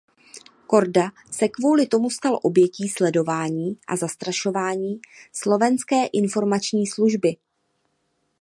Korda se kvůli tomu stal obětí sledování a zastrašování Slovenské informační služby.